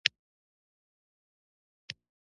د بزګرانو د تړاو درجه له کولونو کمه وه.